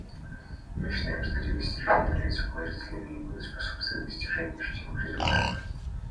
Мы считаем, что эти достижения являются положительными и будут способствовать достижению ощутимых результатов.